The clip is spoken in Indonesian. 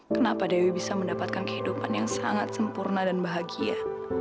kenapa dewi bisa mendapatkan kehidupan yang sangat sempurna dan bahagia